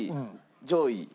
上位？